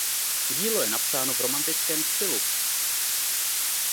Dílo je napsáno v romantickém stylu.